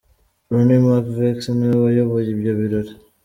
Ronnie Mc Vex niwe wayoboye ibyo birori.